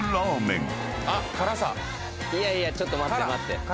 いやいやちょっと待って。